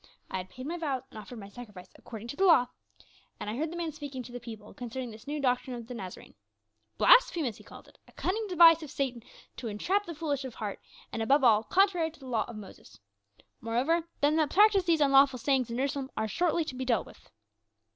I had paid my vows and offered my sacrifice according to the law, and I heard the man speaking to the people concerning this new doctrine of the Nazarene. 'Blasphemous,' he called it; 'a cunning device of Satan to entrap the foolish of heart, and above all, contrary to the law of Moses.' Moreover, them that practise these unlawful sayings in Jerusalem are shortly to be dealt with."